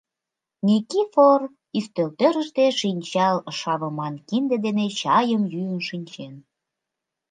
Никифор ӱстелтӧрыштӧ шинчал шавыман кинде дене чайым йӱын шинчен.